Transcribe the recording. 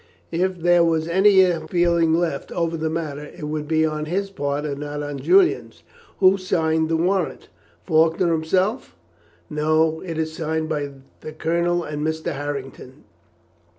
If there was any ill feeling left over that matter, it would be on his part and not on Julian's. Who signed the warrant? Faulkner himself?" "No; it is signed by the Colonel and Mr. Harrington.